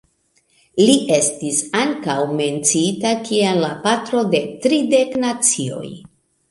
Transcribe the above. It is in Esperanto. Li estis ankaŭ menciita kiel la patro de tridek nacioj.